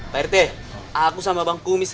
pak rt aku sama bang kumis